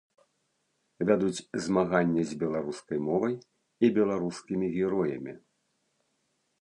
Вядуць змаганне з беларускай мовай і беларускімі героямі.